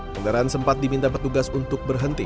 kendaraan sempat diminta petugas untuk berhenti